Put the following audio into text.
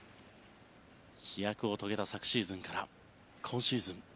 飛躍を遂げた昨シーズンから今シーズン